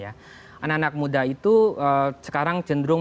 anak anak muda itu sekarang cenderung